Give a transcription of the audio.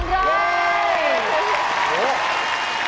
เย้